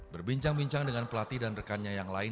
berbincang bincang dengan pelatih dan rekannya yang lain